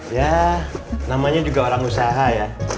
ya namanya juga orang usaha ya